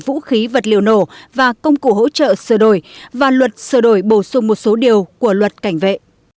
vũ khí vật liệu nổ và công cụ hỗ trợ sửa đổi và luật sửa đổi bổ sung một số điều của luật cảnh vệ